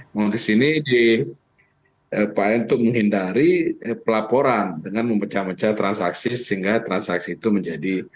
modus ini di upaya untuk menghindari pelaporan dengan memecah mecah transaksi sehingga transaksi itu menjadi